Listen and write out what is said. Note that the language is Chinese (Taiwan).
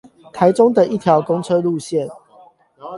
台中的一條公車路線